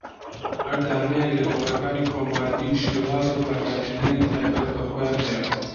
هەر دانەیەک لە تۆڕەکانی کۆمەڵایەتی شێواز و بەکارهێنەری تایبەت بەخۆیان هەیە